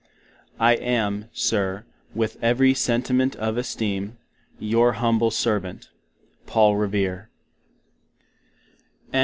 I am, Sir, with every Sentment of esteem, Your Humble Servant, Paul Revere Col.